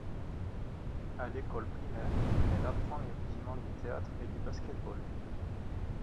À l'école primaire, elle apprend les rudiments du théâtre et du basket-ball.